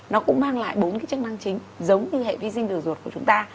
nó cũng mang lại bốn cái chức năng chính giống như hệ vi sinh từ ruột của chúng ta